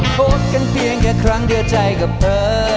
โพสต์กันเพียงแค่ครั้งเดียวใจกับเธอ